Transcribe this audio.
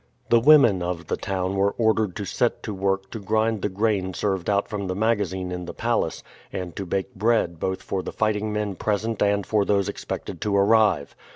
The women of the town were ordered to set to work to grind the grain served out from the magazine in the palace, and to bake bread both for the fighting men present and for those expected to arrive.